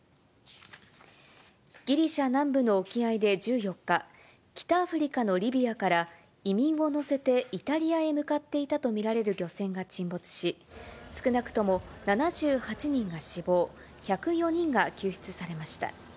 ギリシャ南部の沖合で１４日、北アフリカのリビアから移民を乗せて、イタリアへ向かっていたとみられる漁船が沈没し、少なくとも７８人が死亡、１０４人が救出されました。